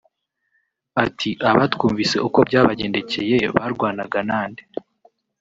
Ati “Aba twumvise uko byabagendekeye barwanaga na nde